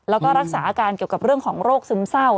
แล้วก็รักษาอาการเกี่ยวกับเรื่องของโรคซึมเศร้า